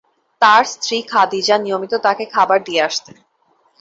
তার স্ত্রী খাদিজা নিয়মিত তাকে খাবার দিয়ে আসতেন।